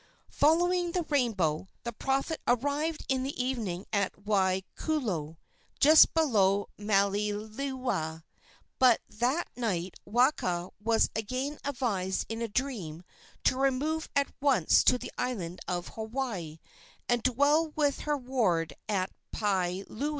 Following the rainbow, the prophet arrived in the evening at Waikolu, just below Malelewaa; but that night Waka was again advised in a dream to remove at once to the island of Hawaii and dwell with her ward at Paliuli.